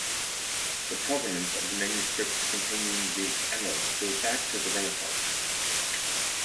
The provenance of the manuscripts containing the "Annals" goes back to the Renaissance.